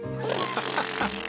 ハハハハハ！